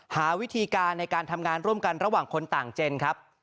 หาวิธีการในการทำงานร่วมกันระหว่างคนต่างเจนครับ